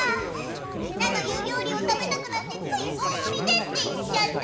みんなの言う料理を食べたくなってついおおもりでって言っちゃった。